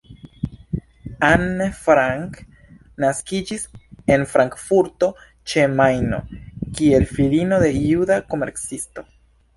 Anne Frank naskiĝis en Frankfurto ĉe Majno kiel filino de juda komercisto.